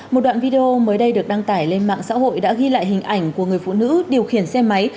một đoạn video mới đây được đăng tải lên mạng xã hội đã ghi lại hình ảnh của người phụ nữ điều khiển xe máy